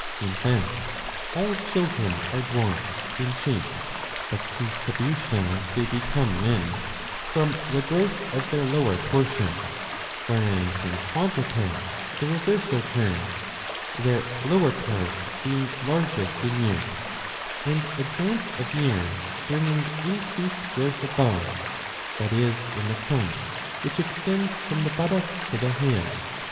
In fact all children are dwarfs in shape:, but cease to be so as they become men, from the growth of their lower portion ; whereas in quadrupeds the reverse occurs, their lower parts being larges,^ 686 b. iv. lo. 117 in youth, and advance of years bringing increased growth above, that is in the trunk, which extends from the buttocks to the head.